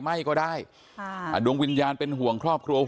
ไม่เกี่ยวหรอก